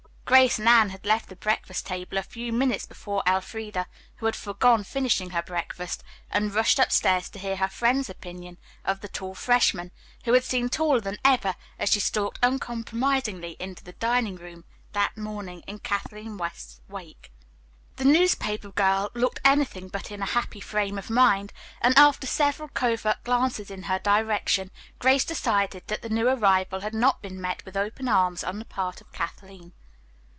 Grace and Anne had left the breakfast table a few minutes before Elfreda, who had foregone finishing her breakfast and rushed upstairs to hear her friends' opinion of the tall freshman, who had seemed taller than ever as she stalked uncompromisingly into the dining room that morning in Kathleen West's wake. The newspaper girl looked anything but in a happy frame of mind, and after several covert glances in her direction, Grace decided that the new arrival had not been met with open arms on the part of Kathleen.